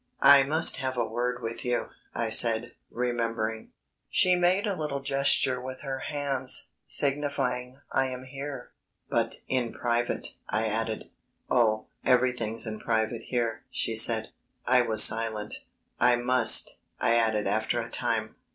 "I must have a word with you," I said, remembering. She made a little gesture with her hands, signifying "I am here." "But in private," I added. "Oh, everything's in private here," she said. I was silent. "I must," I added after a time.